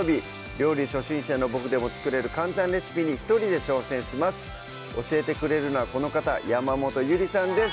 料理初心者のボクでも作れる簡単レシピに一人で挑戦します教えてくれるのはこの方山本ゆりさんです